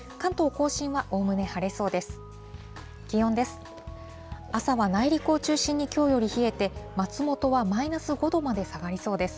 甲信はおおむね晴れそうです。